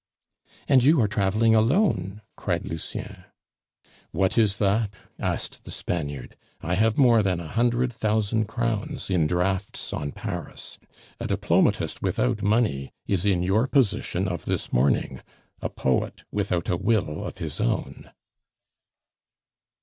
"And you are traveling alone!" cried Lucien. "What is that?" asked the Spaniard. "I have more than a hundred thousand crowns in drafts on Paris. A diplomatist without money is in your position of this morning a poet without a will of his own!"